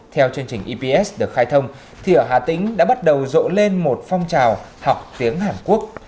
theo chương trình eps được khai thông thì ở hà tĩnh đã bắt đầu rộ lên một phong trào học tiếng hàn quốc